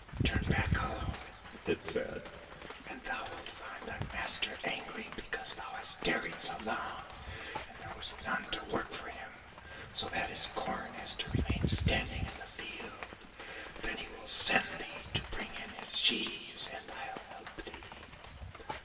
" Turn back home," it said, " and thou wilt find thy master angry because thou hast tarried so long, and there was none to work for him, so that his corn has to remain standing in the field. Then he will send thee to bring in his sheaves, and I'll help thee.